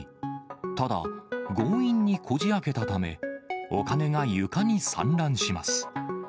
ただ、強引にこじあけたため、お金が床に散乱します。